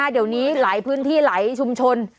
เดี๋ยวนี้หลายพื้นที่หลายชุมชน